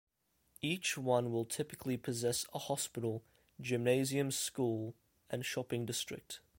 Each one will typically possess a hospital, gymnasium, school, and shopping district.